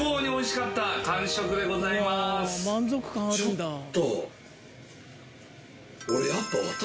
ちょっと